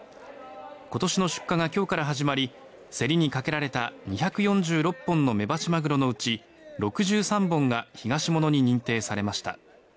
今年の出荷が今日から始まり競りにかけられた２４６本のメバチマグロのうち６３本がひがしものに認定されました。